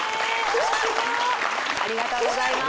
私もありがとうございます